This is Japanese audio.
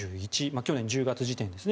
去年１０月時点ですね。